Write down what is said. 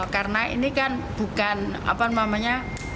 karena ini kan bukan apa namanya